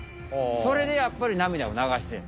それでやっぱり涙を流してる。